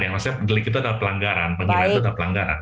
maksudnya delik itu adalah pelanggaran penghinaan itu adalah pelanggaran